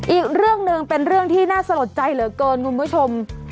อีกเรื่องหนึ่งเป็นเรื่องที่น่าสลดใจเหลือเกินคุณผู้ชม